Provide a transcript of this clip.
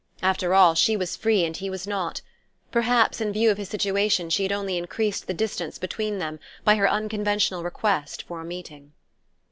After all, she was free and he was not. Perhaps, in view of his situation, she had only increased the distance between them by her unconventional request for a meeting.